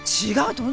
違う！